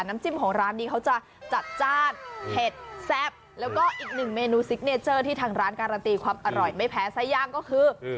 น้ำจิ้มของร้านนี้เขาจะจัดจ้านเผ็ดแซ่บแล้วก็อีกหนึ่งเมนูซิกเนเจอร์ที่ทางร้านการันตีความอร่อยไม่แพ้ไส้ย่างก็คือ